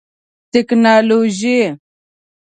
ټکنالوژي